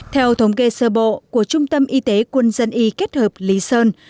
theo thống kê sơ bộ của trung tâm y tế quân dân y kết hợp lý sơn